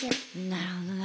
なるほどな。